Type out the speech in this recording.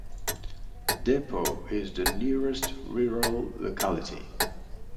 Depo is the nearest rural locality.